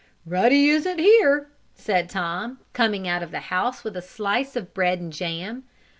"Ruddy isn't here," said Tom, coming out of the house with a slice of bread and jam.